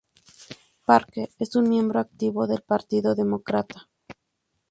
Parker es un miembro activo del partido demócrata.